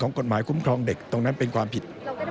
กฎหมายคุ้มครองเด็กตรงนั้นเป็นความผิด